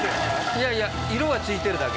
いやいや色がついてるだけ。